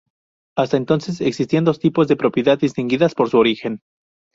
Hasta entonces, existían dos tipos de propiedad distinguidas por su origen.